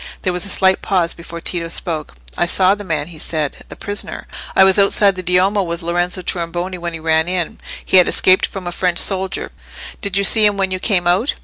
There was a slight pause before Tito spoke. "I saw the man," he said,—"the prisoner. I was outside the Duomo with Lorenzo Tornabuoni when he ran in. He had escaped from a French soldier. Did you see him when you came out?"